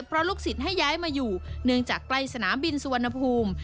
เพราะลูกศิษย์ให้ย้ายมาอยู่เนื่องจากใกล้สนามบินสุวรรณภูมิ